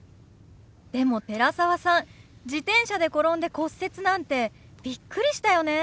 でも寺澤さん自転車で転んで骨折なんてビックリしたよね。